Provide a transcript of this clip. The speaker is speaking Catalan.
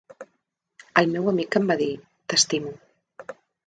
El meu amic em va dir: "T'estimo".